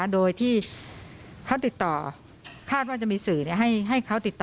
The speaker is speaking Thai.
โดยที่เขาติดต่อคาดว่าจะมีสื่อให้เขาติดต่อ